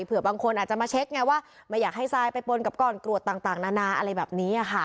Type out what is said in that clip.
บางคนอาจจะมาเช็คไงว่าไม่อยากให้ทรายไปปนกับก้อนกรวดต่างนานาอะไรแบบนี้ค่ะ